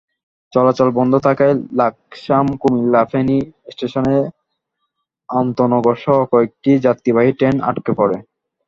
চলাচল বন্ধ থাকায় লাকসাম, কুমিল্লা, ফেনী স্টেশনে আন্তনগরসহ কয়েকটি যাত্রীবাহী ট্রেন আটকা পড়ে।